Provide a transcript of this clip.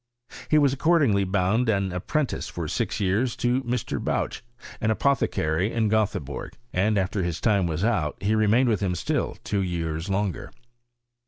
He was accordiaglf bound an apprentice for six years to Mr. Bouch, aa apothecary in Gutlieborg, and after his time waf out, he remained with him still, two years loDger.